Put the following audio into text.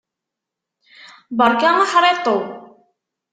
Beṛka aḥriṭṭew!